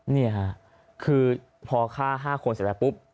นี่ค่ะคือพอฆ่า๕คนเสร็จแล้วปุ๊บ